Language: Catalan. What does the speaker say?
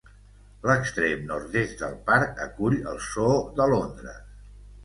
L'extrem nord-est del parc acull el zoo de Londres.